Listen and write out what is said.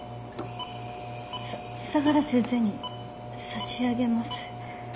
相良先生に差し上げます。